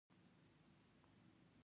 لوگر د افغانستان د ځمکې د جوړښت نښه ده.